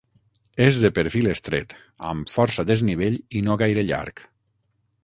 És de perfil estret, amb força desnivell i no gaire llarg.